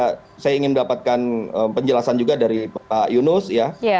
dan mungkin juga saya ingin mendapatkan penjelasan juga dari pak yunus ya